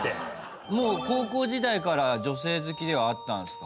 もう高校時代から女性好きではあったんですか？